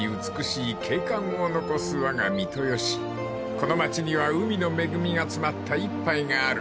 ［この町には海の恵みが詰まった一杯がある］